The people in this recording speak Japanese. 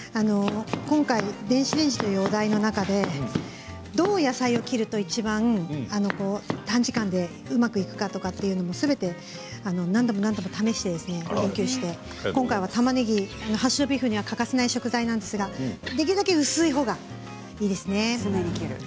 今回電子レンジというお題の中でどうやって野菜を切ると短時間でうまくいくかということをすべて何度も何度も試して、勉強して今回はたまねぎハッシュドビーフには欠かせない食材なんですけれどできるだけ薄いほうがいいですね。